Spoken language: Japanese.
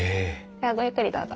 ではごゆっくりどうぞ。